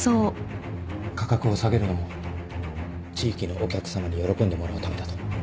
価格を下げるのも地域のお客さまに喜んでもらうためだと